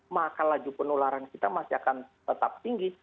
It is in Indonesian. maka laju penularan kita masih akan tetap tinggi